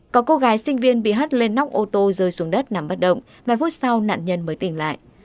có cô gái sinh viên bị hất lên nóc ô tô rơi xuống đất nằm bất động ngày hôm sau nạn nhân mới tỉnh lại